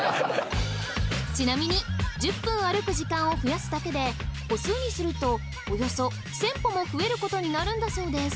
ちなみに１０分歩く時間を増やすだけで歩数にするとおよそ１０００歩も増えることになるんだそうです